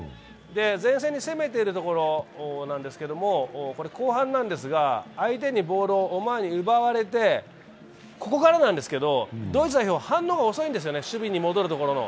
前線に攻めているところですが後半なんですが、相手にボールをオマーンに奪われてここからなんですけど、ドイツは反応が遅いんですよね、守備に戻るところの。